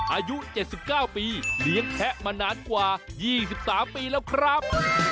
อายุ๗๙ปีเลี้ยงแพะมานานกว่า๒๓ปีแล้วครับ